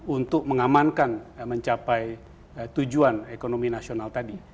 untuk mengamankan mencapai tujuan ekonomi nasional tadi